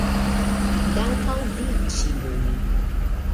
Dank' al vi ĉiuj